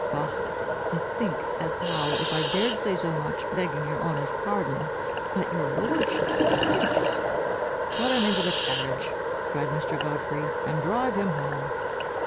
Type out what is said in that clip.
Faugh! I think as how, if I dared say so much, begging your honour's pardon, that your lordship stinks." "Put him into the carriage," cried Mr. Godfrey, "and drive him home."